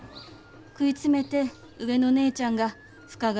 食い詰めて上の姉ちゃんが深川の岡場所に。